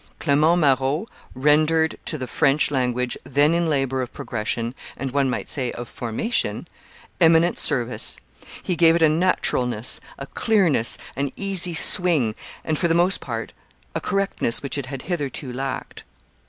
Clement Marot rendered to the French language, then in labor of progression, and, one might say, of formation, eminent service: he gave it a naturalness, a clearness, an easy swing, and, for the most part, a correctness which it had hitherto lacked.